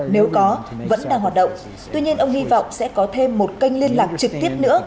nếu có vẫn đang hoạt động tuy nhiên ông hy vọng sẽ có thêm một kênh liên lạc trực tiếp nữa